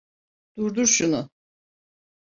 Durdur şunu!